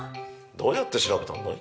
どうやって調べたんだい？